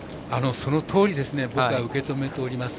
そのとおりに僕は受け止めております。